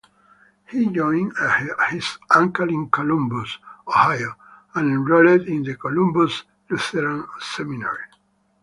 He joined his uncle in Columbus, Ohio and enrolled in the Columbus Lutheran Seminary.